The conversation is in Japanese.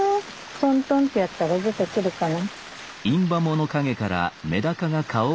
トントンってやったら出てくるかな？